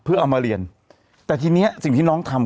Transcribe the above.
เพื่อเอามาเรียนแต่ทีนี้สิ่งที่น้องทำ